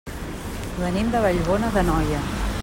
Venim de Vallbona d'Anoia.